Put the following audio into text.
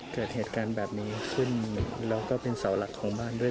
เกิดเหตุการณ์แบบนี้ขึ้นแล้วก็เป็นเสาหลักของบ้านด้วย